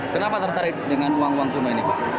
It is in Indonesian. kenapa tertarik dengan uang uang kuno ini